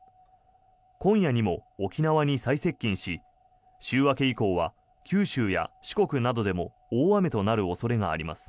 今夜にも沖縄に最接近し週明け以降は九州や四国などでも大雨となる恐れがあります。